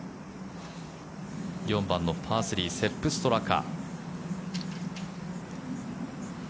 ４番のパー３セップ・ストラカ。